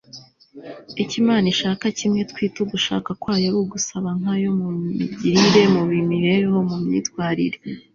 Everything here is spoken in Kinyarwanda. icyo imana ishaka kimwe twita ugushaka kwayo ari ugusa nka yo mu migirire, mu mibereho, mu myitwarire